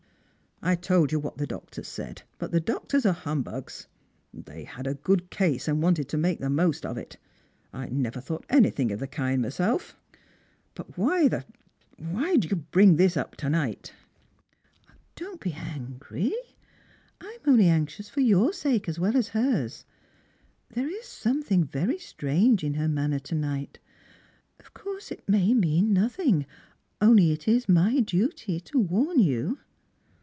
" I told you what the doctors said ; but the doctors are hum bugs. They had a good case, and wanted to make the most of it. I never thought anything of the kind myself. But why the do you bring this up to night ?" Strangers and TUgrima. 293 Don't be angry. I am only anxious for yonr sake as well as hers. There is something very strange in her manner to night. Of course it may mean nothing, only it is my duty to warn you."